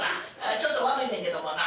ちょっと悪いねんけどもな